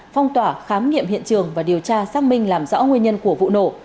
phong tỏa khám nghiệm hiện trường và điều tra xác minh làm rõ nguyên nhân của vụ nổ